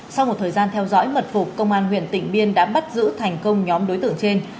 sau một thời gian theo dõi mật phục công an huyện tỉnh biên đã bắt giữ thành công nhóm đối tượng trên